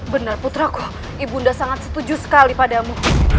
benar putrako ibunda sangat setuju sekali padamu